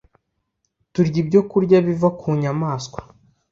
turya ibyokurya biva ku nyamaswa?